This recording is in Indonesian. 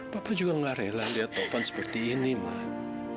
papa juga nggak rela lihat taufan seperti ini mak